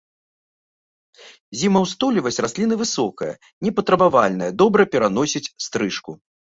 Зімаўстойлівасць расліны высокая, непатрабавальная, добра пераносіць стрыжку.